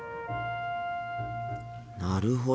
なるほど。